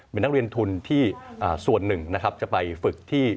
เป็นนักเรียนทุนที่ส่วนหนึ่งนะครับจะไปฝึกที่